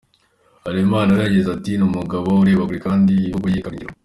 Harerimana we yagize ati “Ni umugabo ureba kure kandi imvugo ye ikaba ingiro.